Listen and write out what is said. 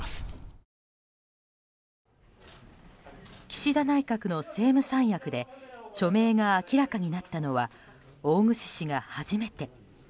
岸田内閣の政務三役で署名が明らかになったのは大串氏が初めて。